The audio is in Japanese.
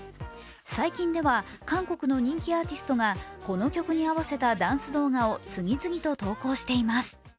最近では韓国の人気アーティストが、この曲に合わせたダンス動画を次々と投稿しています。